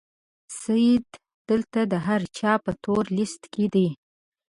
سید دلته د هر چا په تور لیست کې دی.